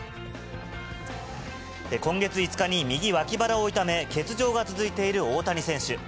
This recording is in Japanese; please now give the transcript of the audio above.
今月５日に右脇腹を痛め、欠場が続いている大谷選手。